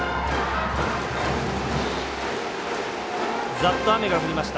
ざっと雨が降りました。